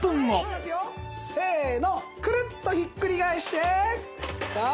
せーのクルッとひっくり返してさあ